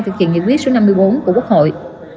thực hiện nghị quyết số năm mươi bốn của quốc hội